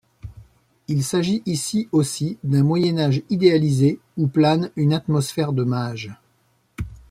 Il s’agit ici aussi d’un Moyen Âge idéalisé où plane une atmosphère de mage.